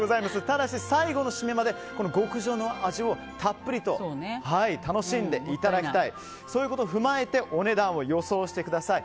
ただし、最後の締めまでこの極上の味をたっぷりと楽しんでいただきたいそういうことを踏まえてお値段を予想してください。